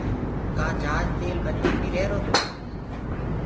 ڪآ جھآجِ تيل ٻتي پيٚريهرو تو